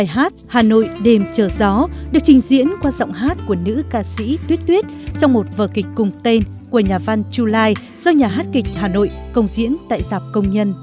hà nội đêm trở gió được trình diễn qua giọng hát của nữ ca sĩ tuyết tuyết trong một vờ kịch cùng tên của nhà văn chú lai do nhà hát kịch hà nội công diễn tại giáp công nhân